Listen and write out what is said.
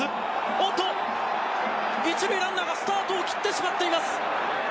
おっと、１塁ランナーがスタートを切ってしまっています。